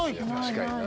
確かにな。